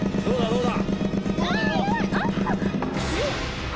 どうだ？